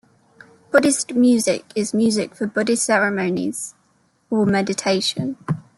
Buddhist music is music for Buddhist ceremony or meditation.